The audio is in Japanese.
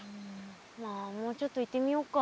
まあもうちょっと行ってみようか。